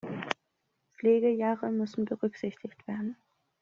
Pflegejahre müssen berücksichtigt werden.